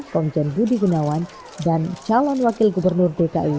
komjen budi gunawan dan calon wakil gubernur dki